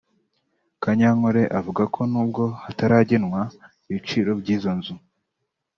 Kanyankole avuga ko nubwo hataragenwa ibiciro by’izo nzu